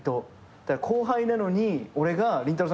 だから後輩なのに俺がりんたろー。